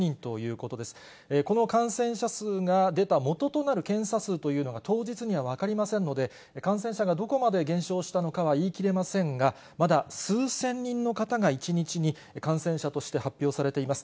この感染者数が出た基となる検査数というのが、当日には分かりませんので、感染者がどこまで減少したのかは言いきれませんが、まだ数千人の方が１日に感染者として発表されています。